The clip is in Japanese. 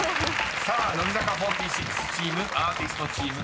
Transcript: ［さあ乃木坂４６チームアーティストチームと並びました］